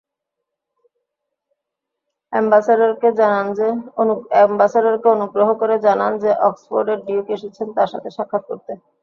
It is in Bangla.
অ্যাম্বাসেডরকে অনুগ্রহ করে জানান যে অক্সফোর্ডের ডিউক এসেছেন তার সাথে সাক্ষাৎ করতে।